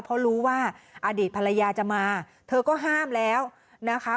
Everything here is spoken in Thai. เพราะรู้ว่าอดีตภรรยาจะมาเธอก็ห้ามแล้วนะคะ